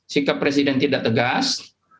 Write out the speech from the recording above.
sikap presiden tidak tegas